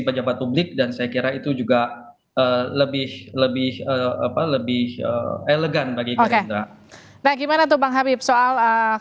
pejabat publik dan saya kira itu juga lebih lebih lebih elegan bagi ganda lagi mana tebang habis soal